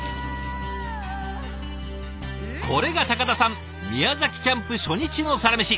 これが高田さん宮崎キャンプ初日のサラメシ。